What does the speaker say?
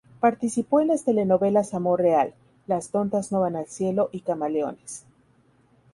Participó en las telenovelas Amor real, Las tontas no van al cielo y Camaleones.